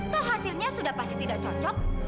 toh hasilnya sudah pasti tidak cocok